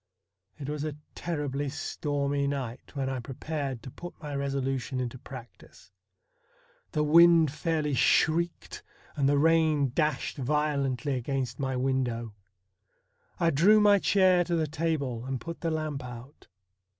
It was a terribly stormy night when I prepared to put my THE BLUE STAR 37 resolution into practice. The wind fairly shrieked, and the rain dashed violently against my window. I drew my chair to the table and put the lamp out.